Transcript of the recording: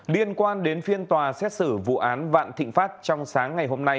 liên quan đến phiên tòa xét xử vụ án vạn thịnh pháp trong sáng ngày hôm nay